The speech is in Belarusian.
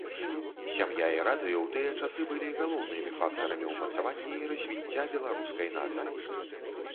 Сям'я і радыё ў тыя часы былі галоўнымі фактарамі ўмацавання і развіцця беларускай нацыі.